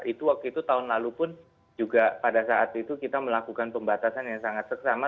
itu waktu itu tahun lalu pun juga pada saat itu kita melakukan pembatasan yang sangat seksama